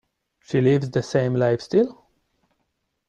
She lives the same life still?